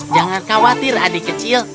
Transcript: jangan khawatir adik kecil